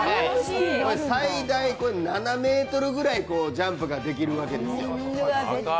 最大７ｍくらいジャンプができるわけですよ。